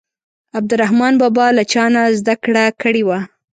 عبدالرحمان بابا له چا نه زده کړه کړې وه.